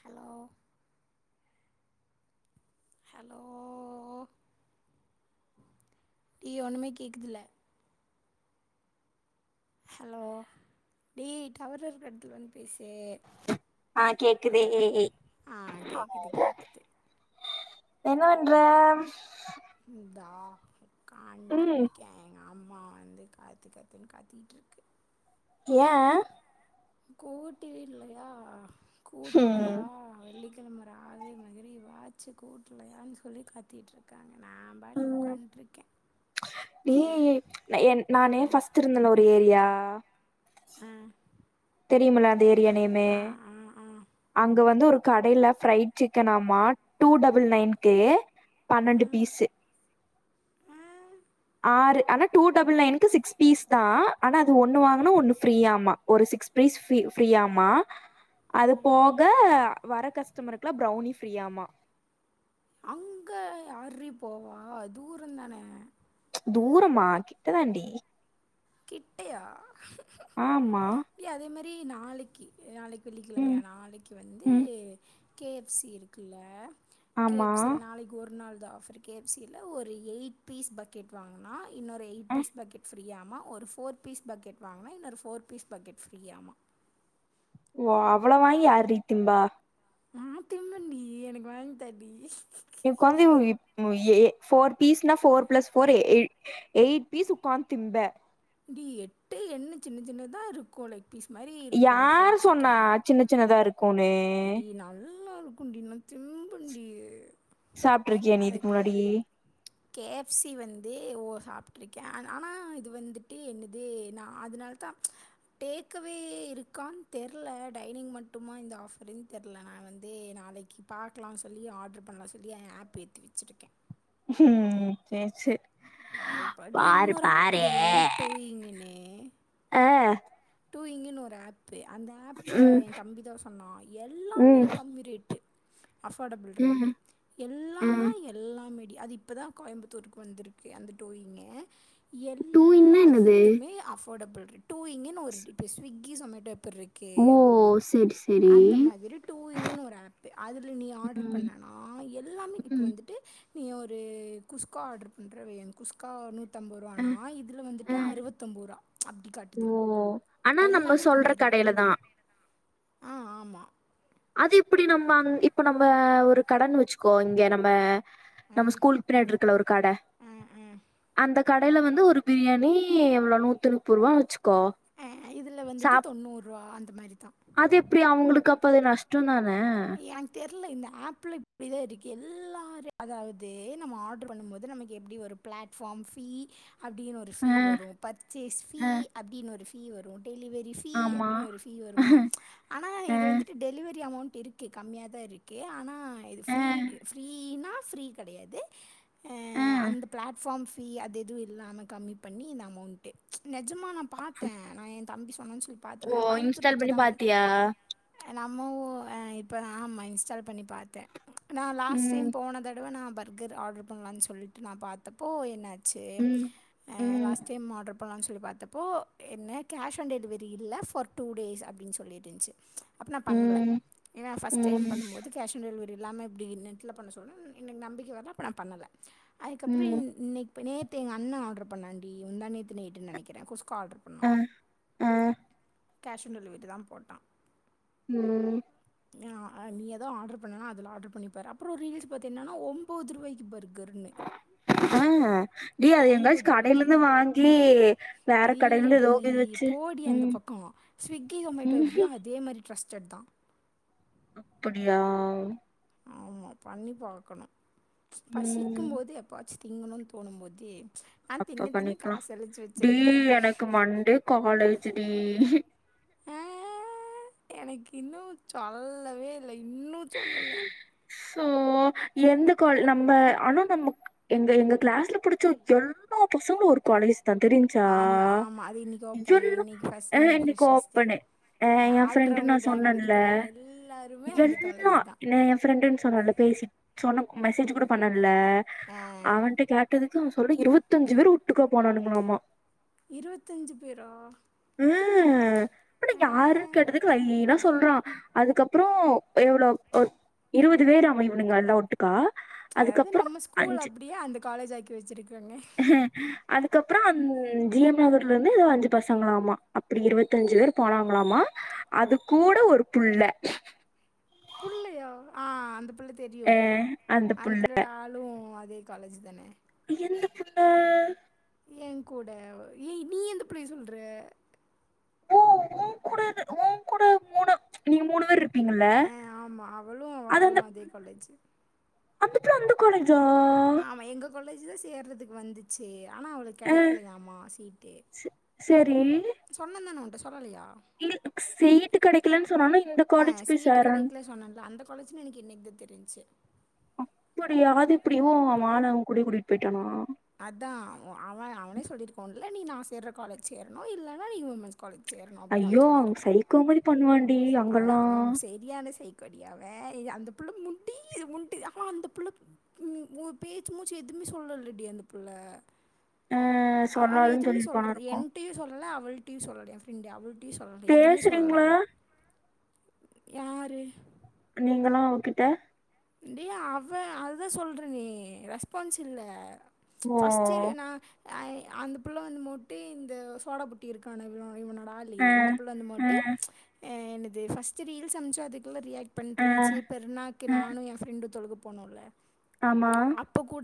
Hello hello இ ஒன்னுமே கேக்குதுல ஹெலோ டி டவர் இருக்க எட்த்துல வந் ஆ கேக்குதே ஏ ஏ ஏய் ஆ கேக்குது கேக்குது என்ன வண்ற தா காயுட்ற ம் கேங் அம்மா வந்து காத்து காத்துன் கத்திகிட் இருக்கு ஏ கூட்டி விட்லயா கூட்டலயா ம் வெள்ளிக் கிலம ரவே மதினி வாச்சு கூட்லயான் சொல்லி கத்தியிட் இருக்காங்க நா பாட்டிக்கு உக்காண்ட்ருக்கெ நீ எ ஏ ந என் நானே ஏன் ஃபஸ்ட் இருந்தன ஒரு ஏரியா ஆ தெரியுமுல அந்த ஏரியா நேமே ஆ ஆ அங்க வந்து ஒரு கடைல ஃப்ரைட் சிக்கனாம்மா டூ டபுள் நையன்கே ஆ பன்னண்டு பீஸு ஆ ஆ ஆறு அனா டூ டபுள் நையன்க்கு சிக்ஸ் பீஸ் தா அனா அது ஒன்னு வாங்கனா ஒன்னு ஃப்ரீயாமா ஒரு six piece free free ஆமா அது போக வர கஸ்டமருக்லா ப்ரவுனி ஃப்ரீயாமா அங்க ஆர்ரி போவா தூரந்தான தூரமா கிட்ட தாண்டி கிட்டயா ஆமா இ நாளைக்கு நாளைக்கு வெள்ளிக்கெழமையா ம் நாளைக்கு வந்து ம் கே எஃப் சி இருக்குல்ல கே ஆமா எஃப் சி நாளைக்கு ஒரு நாள் தா ஆஃபரு கே எஃப் சி ல ஒரு எயிட் பீஸ் பக்கெட் வாங்கனா இன்னொரு எயிட் அஹ், பீஸ் பக்கெட் ஃப்ரீயாமா ஒரு ஃபோர் பீஸ் பக்கெட் வாங்குனா இன்னொரு ஃபோர் பீஸ் பக்கெட் ஃப்ரீயாமா ஓ அவ்வள வாங்கி யார் டீ திம்பா நா திம்பன்டி எனக்கு வாங்தாடி உக்காந்து உ யிப் உ எ ஃபோர் பீஸ்னா ஃபோர் பிளஸ் ஃபோர் எ எயிட் பீஸ் உக்காந் நா திம்பே டி எட்டு எண்ண சின்ன சின்னதா இருக்குல யாரு சொன்னா சின்ன சின்னதா இருக்குன்னு நல்லாருக்குன்டி நா திம்பன்டி சாப்ட்ருக்கியா நீ இதுக்கு முன்னாடி கே எஃப் சி வந்து ஓ சாப்ட்ருக்க ஆனா இது வந்துட்டு என்னது நா அதுனா த்தா டேக்அவே இருக்கான் தெர்ல டைனிங் மட்டுமா இந்த ஆஃபருன் தெர்ல நா வந்து நா நாளைக்கு பாக்லா சொல்லி ஆர்டர் பண்லா சொல்லி ஆப் ஏத்தி வெச்சுருக்கே ஹ்ம் சேர் சேர் நாளைக்கு ப டி இன்னொரு ஆப்பு டி டூயிங்குனு ஆ டூயிங்குன் ஒரு ஆப்பு அந்த ஆப்புல ம் என் தம்பி தா சொன்னா எல்லாமே ம் கம்மி ரேட்டு அஃபார்டபுள் ரேட்டு ம் எல்லான்னா ம் எல்லாமே டி அது இப்பதா கோயம்பத்தூருக்கு வந்துருக்கு அந்த டூயிங்கு டூ இன்னா எல்லா என்னது ஃபுட்டுமே அஃபார்டபுள் ரெ டூயிங்குன்னு ஒரு இப்போ ஸ்விக்கி சொமேட்டோ ப்புருக்கு ஓ செரி செரி அந்த மாதிரி டூயிங்குனு ஒரு ஆப்பு அதுல நீ ஆர்டர் ம் பண்ணனா எல்லாமே இப்போ ம் வந்துட்டு நீ ஒரு குஸ்கா ஆர்டர் பண்ற வெய் குஸ்கா நூத் தம்பூருவானா அஹ், இதுல வந்துட்டு அஹ். அறுவத்தொம்பூருவா அப்டி காட்டுது ஓ ஆனா நம்ம எல்லாமே சொல்ற கம்மி ரேட்டு கடைல தா ஆ ஆமா அதெப்டி நம்ம அம் இப்ப நம்ப ஒரு கடனு வெச்சுக்கோ இங்க நம்ம ஆ நம்ம ஸ்கூலுக்கு பின்னாடிருக்குல ஒரு கட ஆ ஆ அந்த கடைல வந்து ஒரு பிரியாணி எவ்ளோ நூத்தி நுப்பூருவான் வெச்சுக் அஹ் இதுல வந்துட்டு தொண்ணூறு ருவா அந்த மாரிதா ப்பது நஷ்டோந் தான இல்ல இந்த ஆப்ல இப்டிதா இருக்கு எல்லா ரெ அதாவது நம்ம ஆர்டர் பண்ணும்மோது நமக்கு எப்டி வரு ப ப்ளாட்ஃபார்ம் ஃபீ அப்டினொரு ஆ ஃபீ வரு பர்ச்சேஸ் ஃபீ ஆ அப்டினொரு ஃபீ வரு டெலிவெரி ஃபீ ஆமா அப்டினொரு ஃபீ வருமா ஆனா ஆ இது வந்துட்டு டெலிவெரி அமௌண்ட் இருக் க்கு கம்மியா தா இருக்கு ஆனா இது ஆ ஃப்ரீ டு ஃப்ரீனா ஃப்ரீ கடையாது ஆ அஹ் அந்த ப்ளாட்ஃபார்ம் ஃப் ஃபீ அது எதுவு இல்லாம கம்மி பண்ணி இந்த அமௌண்ட்டு நெஜமா நா பாத்த நா என் தம்பி சொன்னான் சொ ஓ இன்ஸ்டால் பண்ணி பாத்தியா நம்ம ஒ அ இப்பதா ஆமா இன்ஸ்டால் பண்ணி பாத்த நா லாஸ்ட் டைம் ம் போன தடவ நா பர்கர் ஆர்டர் பண்லான் சொல்லிட்டு நா பாத்தப்போ என்னாச்சு ம் அஹ் ம் லாஸ்ட் டைம் ஆர்டர் பன்லான் சொல்லி பாத்தப்போ என்ன கேஷ் ஓன் டெலிவெரி இல்ல ஃபோர் டூ டேஸ் அப்டின் சொல்லி இருன்ச்சு அப்ப நா பண்ல ம் ஏன்னா ஃபர்ஸ்ட் டைம் ம் பண்ணும்போது கேஷ் ஓன் டெ லிவெரி இல்லாம இப்டி நெட்ல பண்ண சொல்ல எனக்கு நம்பிக்க வரல நா பண்ணல அதுக்கப்றோ ம் இன் இன்னைக் ப்ப நேத்து எங்கண்ண ஆர்டர் பண்ணான்டி முந்தா நேத்து நைட்டுன் நெனக்கிற குஸ் அஹ் ஆஹ் கேஷ் ஓன் டெலிவெரி தா போட்டா ம் எ ஆ அ நீ எதோ ஆர்டர் பண்ணுனா அதுல ஆர்டர் பண்ணி பாரு அப்றோ ரீல்ஸ் பாத்த என்னனா ஒம்போதுருவாய்க்கு பர் அஹ் அது எங்காச்சு ரூ. கடைலிந்து வாங்கி வேற கடையில இருந்து இல்லடி ஏதோ இது வச்சு போடி ம் அந்த பக்கோ ஸ்விக்கி சோமேட்டோ எப்டியோ ம்ஹும் அதே மாரி ட்ரஸ்டட் தா அப்புடியா ஆமா பண்ணி பாக்கணு ம் பசிக்கும்போது எப்வாச்சு திங்கணுன் தோணும் போது அப்ப பண்ணிக்லா டி வச்சிருக்கேன். எனக்கு மண்டே காலேஜு டீ அஹ் எனக்கின்னு சொல்லவே இல்ல இன்னு சொல்லல சோ எந்த கால் நம்ம ஆனா நம்ம எங்க எங்க க்ளாஸ்ல படிச்ச எல் லா பசங்களு ஒரு கோலேஜ் த தெரிஞ்சா ஆமா ஆமா அது இன்னைக்கு ஓப்பன் எல்லா இன்னைக்கு ஃபர்ஸ்ட் அஹ் இன்னைக்கு இன்னைக் ஃப்ரெஷர்ஸ் டே ஓப்பனு அஹ் என் ஃப்ரெண்டு நா ஆள்றவங்க கேங்ல சொன்னன்ல இருக்கிற எல்லாருமே அந்த எல் ல்லா காலேஜ் தான் நா என் ஃப்ரெண்டுன் சொன்னன்ல பேசி சொன்ன மெசேஜ் கூட பண்ணன் லா ஆ அவன்ட்ட கேட்டதுக்கு அவன் சொல்றா இருவத்தஞ்சு வேரு ஒட்டுகா போனானுங்களாமா இருவத்தஞ்சு பேரா ம் அப்ப நா ஆ யாருன் கேட்டதுக்கு லைனா சொல்றான் அதுக்கப்பறோ எவ்வளோ ஒர் இருவது வேராமா இவனுங்க எல்லா ஒட்டுக்கா அதாவது அதுக்கப்புறம் நம்ம ஸ்கூல் அப்டியே அந்த காலேஜாக்கி வெச்சிருக்காங்க அதுக்கப்றோ அந் ஜிஎம் நகர்லிந்து எதோ அஞ்சு பசங்களாமா அப்டி இருவத்தஞ்சு வேர் போனாங்களாமா அது கூட ஒரு புள்ள ஆஹ் அந்த புள்ள தெரியு அ அந்த புள்ளையோட ஆளு அதே காலேஜ் தான எந்த புள்ள என் கூட ஏ நீ எந்த புள்ளைய சொல்ற ஓ உன் கூட உன் கூட மூணு நீங்க மூணு வேர்ருப் அ ஆமா அவளு அவாளு அதே காலேஜு அந்தப் புள்ள அந்த காலேஜா ஆமா எங்க காலேஜு தா சேர்றதுக்கு வந்துச்சு ஆனா அவளுக்கு ஆ. கெடைக்கலையாமா சீட்டு ச சரி. சொன்னந்தான உன்ட்ட சொல்லலையா [unintelligible] சீட்டு கெடைக்கலன் சொன்னானா இந்த ஆ காலேஜ் போய் சீட்டு சேர்ரான் கிடைக்கல சொன்னேன்ல அந்த காலேஜ்னு எனக்கு இன்னைக்கு தான் தெரிஞ்சுச்சு அப்புடியா அது எப்டி ஓ அவன் ஆளு அவன் கூடயே கூட்டிட் போய்ட்டானா அதான் அவன் அவனே சொல்லிருக்கான் ஒன்ல நீ நா சேர்ற காலேஜ் சேரணு இல்லனா நீ வுமஸ் ஐயோ அவன் சைக்கோ மாரி பண்ணுவாண்டி அங்கல்லா ல்ல சைக்கோடி அவன் இ அந்த புள்ள முடிது முடிது அவன் அந்த புள்ள பேச்சு மூச் ச்செதுமே சொல்லல டி அந்த புள்ள ஆ அவ அவ சொல்லாதன்னு எதுமே சொல்லிருப்பானா சொல்றது இருக்கு என்ட்டையு சொல்லல அவள்டையு சொல்லல என் ஃப்ரெண்டு அவள் ட்டியு சொல்லல எதுமே சொல்லலா பேசுறீங்களா அவ யாரு இங்களா அவ கிட்ட டி அவ அதுதா சொல்றனே ரெஸ்பான்சில்ல ஓ ஃபஸ்ட்டு நா அ அந்த புள்ள வந்து மோட்டு இந்த சோடா புட்டி இருக்கானுங் இவனோடா ஆளு ஆ இந்த புள்ள வந்து ஆ மோட்டு அ என்னது ஃபஸ்ட்டு ரீல்ஸம்ச்சா அதுக் கெல்ல் ரியாக்ட் ஆ பண்ட்ருன்ச்சு பெர்நாக்கு ஆ நானு என் ஃப்ரெண்டு தொழுக போனோல்ல ஆமா அப்ப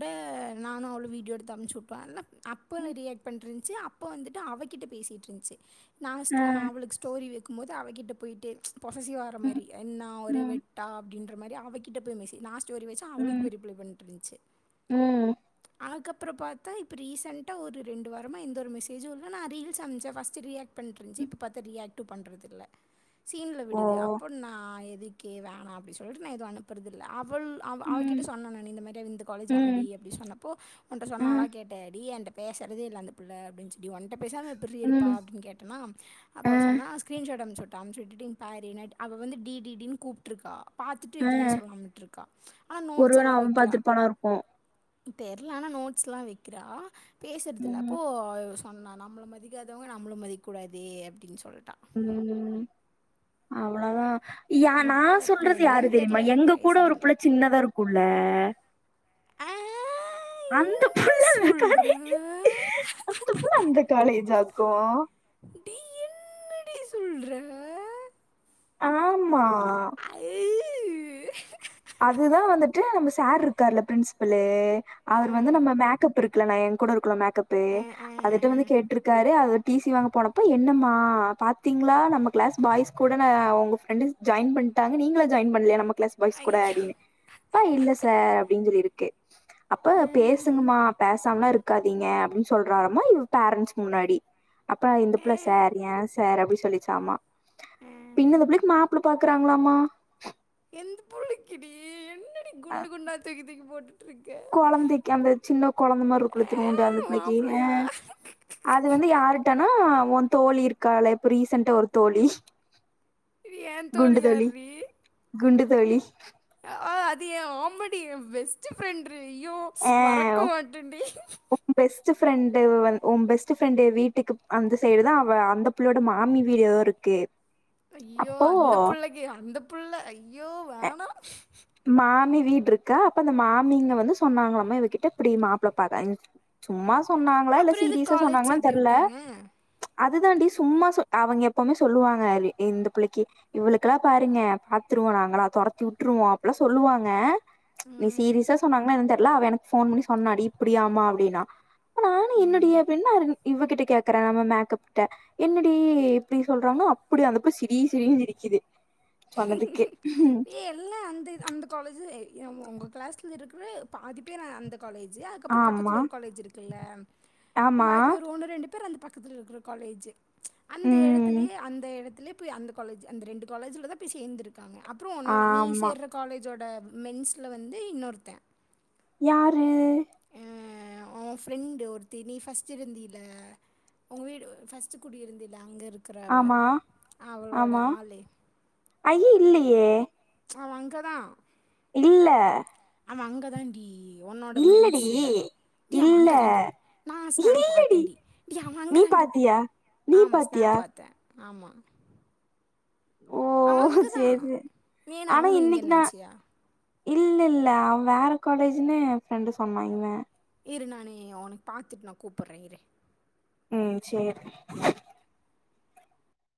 நானு அவளு வீடியோ எடுத்து அம்ச்சுட்டோ அல்ல அப்ப ம் ரியாக்ட் பண்ட்ருன் ச்சு அப்ப வந்துட்டு அவகிட்ட பேசிட்ருன்ச்சு நா அஸ் ஆ நா அவளுக்கு ஸ்டோரி வெக்கு மோது அவகிட்ட போய்ட்டு பொசசிவ் ஆகுற ம் மாரி என்னா ஒரே ம் வெட்டா அப்டின்ற மாரி அவகி கிட்ட போய் மெசே நா ஸ்டோரி வெச்சா அவளுக்கு ம் போய் ரிப்ளே பண்ட்ருன்ச்சு ம் அதுகப் அப்பறோ பாத்தா இப்ப ரீசண்டா ஒரு ரெண்டு வாரமா எந்த ஒரு மெசேஜு இல்ல நா ரீல்ஸம்ச்ச ஃபர்ஸ்ட்டு ரியாக்ட் பண்ட்ருன்ச்சு இப்ப பாத்தா ரியாக்ட்டு பண்றதில்ல சீனில் ஓ விடுது அப்போ நா எதுக்கு வேணா அப்டி சொல்ட்டு நா எது அனுப்புறதில்ல அப் புல் அவ ம் அவகிட்ட சொன்ன நானு இந்த மாரி அவ இந்த காலேஜ் அமடி ம் அப்டி சொன்னப்போ ஒன்ட்ட சொன்னாலா ம் கேட்ட டி என்ட பேசறதே இல்ல அந்த புள்ள அப்டின்ச்சு டி ஒன்ட்ட பேசாம எப்புட்ரி இருப்பா ம் அப்டின் கேட்டனா அப்போ ஆ அவ சொன்னா ஸ்க்ரீன்ஷாட் அம்ச்சுட் டா அம்ச்சுட்டுட்டு இங்க பாரு நா அவ வந்து டி டி டின் கூப்ட்ருக்கா பாத்துட்டு ஆ துமே சொல்லாம் விட்டுருக்கா ஆனா ஒருவேள நோட்ஸல்லா அவன் வெக்குறா பாத்துருப்பானா இருக்கு தெரில ஆனா நோட்ஸ்லா வெக்குறா பேசறதில்ல ம் அப்போ சொன்னா நம்மள மதிக்காதவங்க நம்மளு மதிக்கூடாது அப்டின் சொல் ம் அவ்வளதா யா அந்த நா புள்ள சொல்றது யாரு என்னன்னு தெரிமா தெரில எங்க கூட ஒரு பேசுதில்ல புள்ள சின்னதா இருக்குல்ல அ அந்த புல்லருக்காடி சொல்ற அந்த புள்ள அந்த காலேஜா கோ டி என்னடி சொல்ற ஆமா அவ் அதுதா வந்துட்டு நம்ம சார்ருக்கார்ல ப்ரின்சிபல ஆ அவர் வந்து நம்ம மேக்கப் இருக் க்குல ந என் கூட இருக்குல மேக்கப்பு ஆ ஆ அதுட்ட ஆ வந்து கேட்ருக்காரு அது டிசி வாங்க போனப்போ என்னம்மா பாத்தீங்களா நம்ம கிளஸ் பாய்ஸ் கூட ந உங்க ஃப்ரென்டு ஜாயின் பண்ட்டாங்க நீங்களா ஜாயின் பண்லயா நம்ம க்ளாஸ் ஐயோ கூடாடினு அப்போ இல்ல சார் அப்டின் சொல்லிருக்கு அப்போ ஆ பேசுங்கமா பேச சாம்லா இருக்காதீங்க அப்டி சொல்றாராமா இவ பேரண்ட்ஸ் முன்னாடி அப்போ இந்த புள்ள ஆ சார் ஏன் சார் அப்டி சொல்லிச்சாமா ஆ பின்ன அந்த புள்ளைக்கு மாப்ல பாக்குறாங்களாமா எந்த புள்ளைக்குடி என்னடி அ குண்டு குண்டா தூக்கி தூக்கி போட் கொழந்தைக்கு அந்த சின்ன கொழந்த மாருக்கூல இத்னூன்டு அந்த புள்ளைக்கு ஏ மாப்பிள்ளையா அது வந்து யாருட்டனா உன் தோழி இருக்கால இப்போ ரீசன்டா ஒரு தோழி ஏன் குண்டு தோழி தோழியார்ரீ குண்டு தோழி ஆஹ் அது என் ஆமடி என் பெஸ்ட்டு ப்ரெண்டு ஐயோ ஆ மறக்க மாட்டன்டி பெஸ்ட்டு ஃப்ரெண்டு வந் உன் பெஸ்ட்டு ஃப்ரெண்டு வீட்டுக்கு அந்த சைடு தா அவ அந்த புள்ளையோட மாமி வீடெதோ இருக் க்கு ஐயோ அந்த புள்ளக்கு அந்த புள்ள ஐயோ வேணா மாமி வீடுருக்கா அப்ப அந்த மாமிங்க வந்து சொன்னாங்களாமா இவகிட்ட இப்டி மாப்ல பா சும்மா சொன்னாங்களா இல்ல அப்புறம் இது சீரியஸா காலேஜ் சொன்னாங்களான் சேர்த்து தெர்ல விட்டாங்க அதுதாண்டடி சும்மா ச அவுங்க எப்பமே சொல்லுவாங்க இந்த புள்ளக்கி இவளுக்குல்லா பாருங்க பாத்து ட்ருவோ நாங்களா தொரத்தி உட்ருவோ அப்புலா சொல்லுவாங்க நீ ம், சீரியசா சொன்னாங்களா ல அவ எனக்கு ஃபோன் பண்ணி சொன்னாடி இப்டியாமா அப்டின்னா அப்ப நானு ம். என்னடி அப்டின்னா இவகிட்ட கேக்குற நம்ம மேக்கப்ட்ட என்னடி இப்டி சொல்றாங்கன்னா அப்டியா அந்தபுள்ள சிரி சிரினு சிரிக்குது சொன்னதுக்கு ஏ எல்லா அந்த அந்த காலேஜு உங் உங்க கிளாஸ்ல இருக்குற பாதிப்பேரு அந்த காலேஜு அதுக்கப்றொ ஆமா பக்கத்ல ஒரு காலேஜ் இருக்குல்ல ஆமா பாக்கி ஒரு ஒன்னு ரெண்டு பேர் அந்த பக்கத்துல இருக்குற காலேஜு அந்த ம் எடத்துலயே அந்த எடத்துலே போய் அந்த காலேஜு அந்த ரெண்டு காலேஜுல தா போய் சேந்துருக்காங்க அப்றோ ஒன்னோ நீ ஆமா சேர்ற காலேஜோட மென்ஸ்ல வந்து இன்னொருத்தன் யாரு அ ஓன் ஃப்ரெண்டு ஒருத்தி நீ ஃபர்ஸ்ட் இருந்தில உங்க வீடு ஃபர்ஸ்ட்டு குடி இருந்தீல அங்க இருக்கு ஆமா ஆமா ஆள் அய்யி இல்லயே அவ அங்கதான் இல்ல ஆமா அங்க தான் டி இல்லடி டி அவ இல்ல அங்கதாண்டி நா ஸ்கேம் இல்லடி பாத்தேண்டி டி அவ நீ அங்கதாண்டி பாத்தியா நீ ஆமா பாத்தியா ஸ்னாப் பாத்தே ஆமா ஓ செரி ஏன்னா ஆனா அவனும் இன்னிக்கு இங்கேன்னு நா நினச்சியா இல்லல்ல அவ் வேற காலேஜ்னு ஏ ஃப்ரெண்டு சொன்னா இவ இரு நானு ஒனக் பாத்துட் நா கூப்புர்றே இரு ம் சேர்